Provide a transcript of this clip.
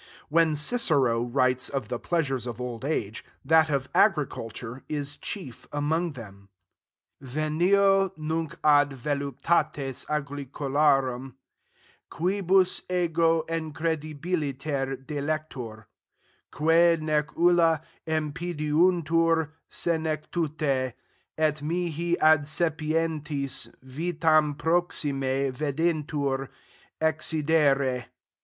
When Cicero writes of the pleasures of old age, that of agriculture is chief among them: "Venio nunc ad voluptates agricolarum, quibus ego incredibiliter delector: quae nec ulla impediuntur senectute, et mihi ad sapientis vitam proxime videntur accedere."